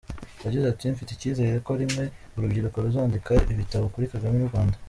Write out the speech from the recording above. Yagize ati “Mfite icyizere ko rimwe urubyiruko ruzandika ibitabo kuri Kagame n’u Rwanda.